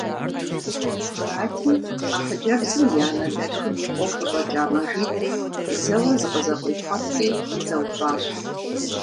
Арати, а хъыджэбзым и анэ дэлъхум и къуэу къыщӀэкӀа Мэжид зэуэ зыкъызэкъуипхъуэтри къызэупщӀащ.